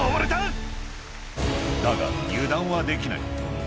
だが油断はできない